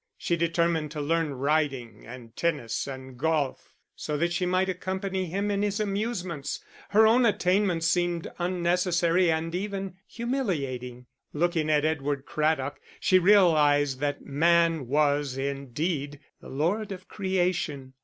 She determined to learn riding and tennis and golf, so that she might accompany him in his amusements; her own attainments seemed unnecessary and even humiliating. Looking at Edward Craddock she realised that man was indeed the lord of creation.